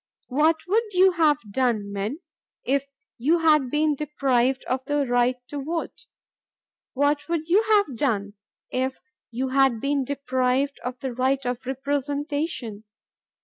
"What would you have done, men, if you had been deprived of the right to vote? What would you have done if you had been deprived of the right of representation?